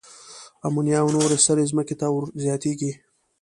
آمونیا او نورې سرې ځمکې ته ور زیاتیږي.